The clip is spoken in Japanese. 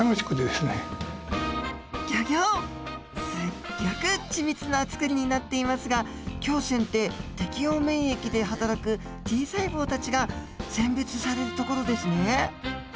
すっギョく緻密な作りになっていますが胸腺って適応免疫ではたらくＴ細胞たちが選別されるところですね。